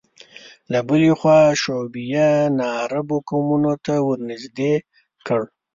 له بلې خوا شعوبیه ناعربو قومونو ته ورنژدې کړ